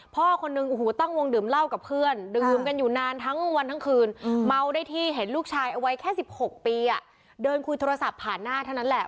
คนนึงโอ้โหตั้งวงดื่มเหล้ากับเพื่อนดื่มกันอยู่นานทั้งวันทั้งคืนเมาได้ที่เห็นลูกชายเอาไว้แค่๑๖ปีเดินคุยโทรศัพท์ผ่านหน้าเท่านั้นแหละ